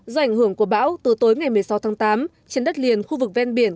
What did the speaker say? do ảnh hưởng của bão từ tối ngày một mươi sáu tháng tám trên đất liền khu vực ven biển